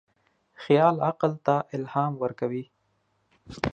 خیال عقل ته الهام ورکوي.